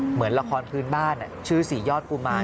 เหมือนละครพื้นบ้านชื่อสี่ยอดกุมาร